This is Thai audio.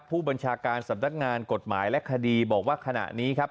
ผู้บัญชาการสำนักงานกฎหมายและคดีบอกว่าขณะนี้ครับ